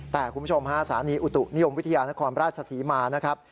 แต่คุณผู้ชมศาลีอุตุนิยมวิทยาควรราชสีมานะครับ